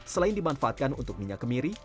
selain dimanfaatkan untuk minyak kemiri